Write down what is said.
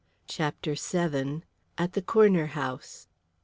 CHAPTER VII. AT THE CORNER HOUSE.